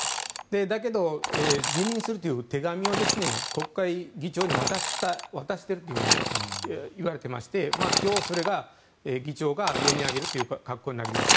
だけど、辞任するという手紙を国会議長に渡しているといわれていまして今日、それが議長が読み上げるという格好になります。